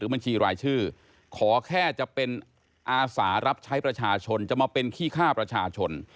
แต่ผมจะยืนเขียนข้ามกับพี่น้องประชาชน